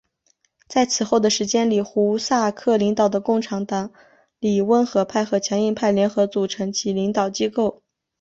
在此后的时间里胡萨克领导的共产党里温和派和强硬派联合组成其领导机构。